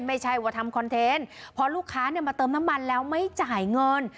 ไม่ใช่ว่าทำคอนเทนต์พอลูกค้ามาเติมน้ำมันแล้วไม่จ่ายเงิน